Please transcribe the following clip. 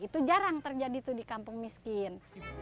itu jarang terjadi itu di kampung miskin